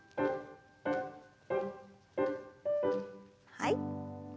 はい。